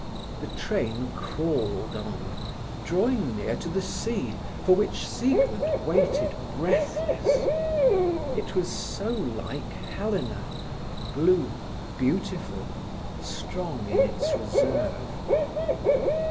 The train crawled on, drawing near to the sea, for which Siegmund waited breathless. It was so like Helena, blue, beautiful, strong in its reserve.